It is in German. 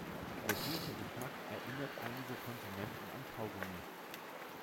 Der süße Geschmack erinnert einige Konsumenten an Kaugummi.